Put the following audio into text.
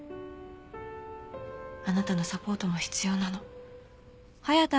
あなたのサポートも必要なの。